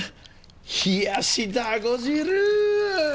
冷やしだご汁！